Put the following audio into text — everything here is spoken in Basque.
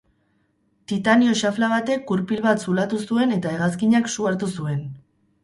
Titanio xafla batek gurpil bat zulatu zuen eta hegazkinak su hartu zuen.